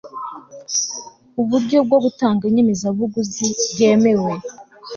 uburyo bwo gutanga inyemezabuguzi bwemewe